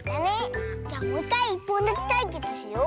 じゃもういっかいいっぽんだちたいけつしよう！